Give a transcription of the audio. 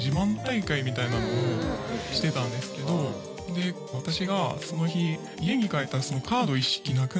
「で私がその日」